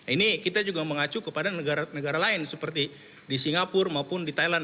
ini kita juga mengacu kepada negara negara lain seperti di singapura maupun di thailand